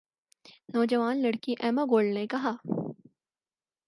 نوجوان لڑکی Emma Gold نے کہا